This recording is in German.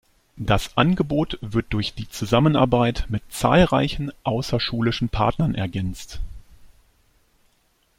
Das Angebot wird durch die Zusammenarbeit mit zahlreichen außerschulischen Partnern ergänzt.